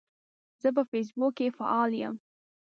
زه په فیسبوک کې فعال یم.